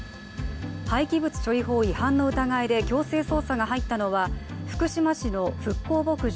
廃棄物処理法違反の疑いで強制捜査が入ったのは福島市の復興牧場